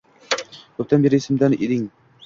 Ko‘pdan beri esmagan edim.